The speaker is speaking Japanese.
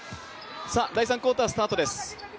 第３クオーター、スタートです。